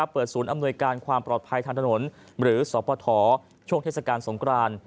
ศูนย์อำนวยการความปลอดภัยทางถนนหรือสปฐช่วงเทศกาลสงคราน